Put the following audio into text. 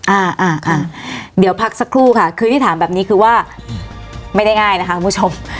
อ่าอ่าเดี๋ยวพักสักครู่ค่ะคือที่ถามแบบนี้คือว่าไม่ได้ง่ายนะคะคุณผู้ชม